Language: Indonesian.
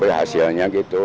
bagi hasilnya gitu